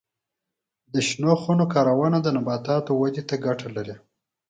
د شنو خونو کارونه د نباتاتو ودې ته ګټه لري.